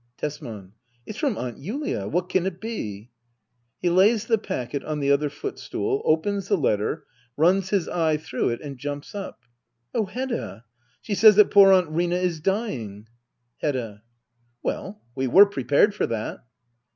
Tbsman. It's from Aunt Julia ! What can it be ? [He lays the packet on the other footstool, opens the Uiter, runs his eye through it, and jumps up^ Oh, Hedda — she says that poor Aunt Rina is dying ! Hedda. Well, we were prepared for that.